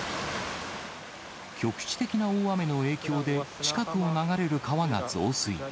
局地的な大雨の影響で、近くを流れる川が増水。